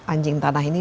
anjing tanah ini